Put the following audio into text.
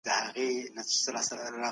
په تېرو وختونو کي سیاست پرمختګ ونه کړ.